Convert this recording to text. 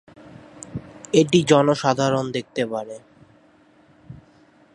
এটি জনসাধারণ দেখতে পারে।